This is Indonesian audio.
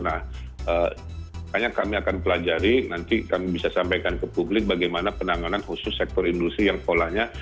nah makanya kami akan pelajari nanti kami bisa sampaikan ke publik bagaimana penanganan khusus sektor industri yang polanya